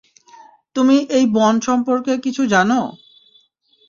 তুমি এই বন সম্পর্কে কিছু জানো?